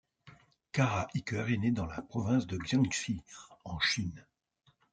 Kara Eaker est née dans la province de Jiangxi, en Chine.